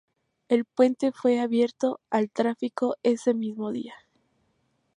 El puente fue abierto al tráfico ese mismo día.